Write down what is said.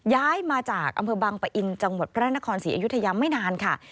ย้ายมาจากอำเภอบางปะอินจังหวัดพระนครศรีอยุธยาไม่นานค่ะ